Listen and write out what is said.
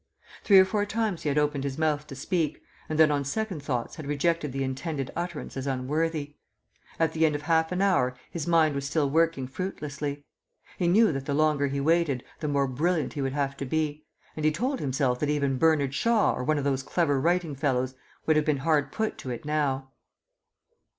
Three or four times he had opened his mouth to speak, and then on second thoughts had rejected the intended utterance as unworthy. At the end of half an hour his mind was still working fruitlessly. He knew that the longer he waited the more brilliant he would have to be, and he told himself that even Bernard Shaw or one of those clever writing fellows would have been hard put to it now.